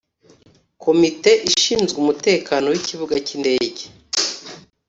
komite ishinzwe umutekano w’ikibuga cy’indege